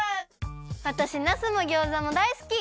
わたしなすもギョーザもだいすき！